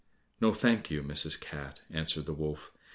"No, thank you, Mrs. Cat," answered the wolf.